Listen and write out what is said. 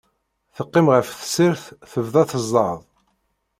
Teqqim ɣer tessirt, tebda tezzaḍ.